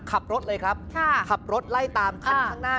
ขับรถเลยครับขับรถไล่ตามคันข้างหน้า